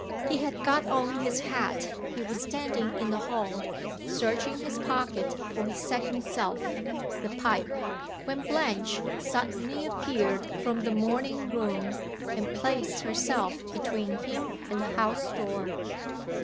He had got on his hat; he was standing in the hall, searching his pocket for his second self, the pipe when Blanche suddenly appeared from the morning room, and placed herself between him and the house door.